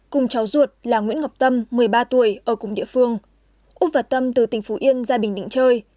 cùng cháu ruột là nguyễn ngọc tâm một mươi ba tuổi ở cùng địa phương úc và tâm từ tỉnh phú yên ra bình định chơi